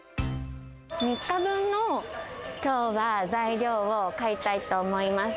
３日分の、きょうは材料を買いたいと思います。